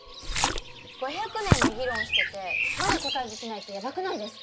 ５００年も議論しててまだ答え出てないってやばくないですか？